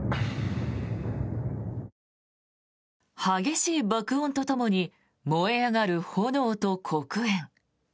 激しい爆音とともに燃え上がる炎と黒煙。